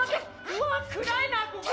うわ暗いなここ。